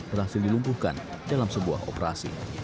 dan berhasil dilumpuhkan dalam sebuah operasi